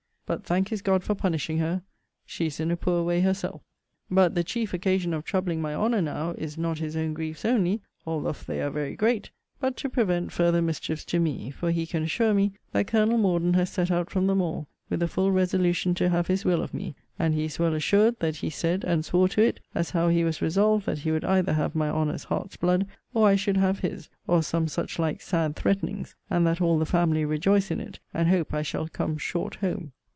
But, thank his God for punishing her! She is in a poor way hersell. 'But the chief occasion of troubling my Honour now, is not his own griefs only, althoff they are very great; but to prevent further mischiefs to me; for he can assure me, that Colonel Morden has set out from them all, with a full resolution to have his will of me; and he is well assured, that he said, and swore to it, as how he was resolved that he would either have my Honour's heart's blood, or I should have his; or some such like sad threatenings: and that all the family rejoice in it, and hope I shall come short home.